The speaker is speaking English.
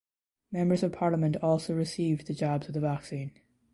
Members of Parliament also received the jabs of the vaccine.